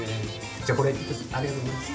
じゃあこれありがとうございます。